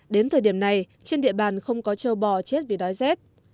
đến thời điểm này trên địa bàn không có châu bò chết vì đói rét